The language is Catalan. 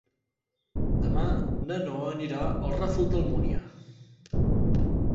Demà na Noa anirà al Ràfol d'Almúnia.